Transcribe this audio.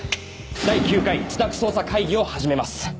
第９回自宅捜査会議を始めます。